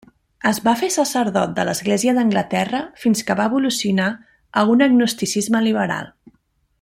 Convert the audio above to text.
Es va fer sacerdot de l'Església d'Anglaterra fins que va evolucionar a un agnosticisme liberal.